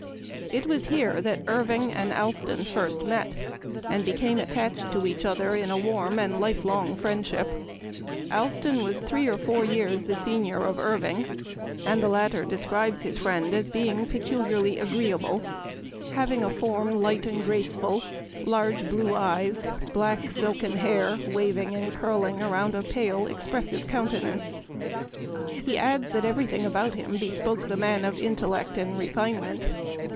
It was here that Irving and Allston first met, and ime attached to each other in warm and life long friendship. Allston was three or four nor of Irving, and the latter de scribes his friend as being peculiarly agreeable — having a form light and graceful, large blue eves, black silken hair, " waving and curling Memoir of Washington Irving. 37 around a pale, expressive countenance." He adds that every thing about him bespoke the man of intellect and refinement.